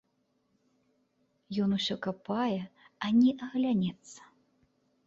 Ён усё капае, ані аглянецца.